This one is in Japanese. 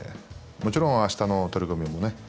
もちろんあしたの取組もね